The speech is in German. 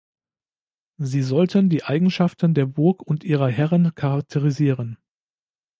Sie sollten die Eigenschaften der Burg und ihrer Herren charakterisieren.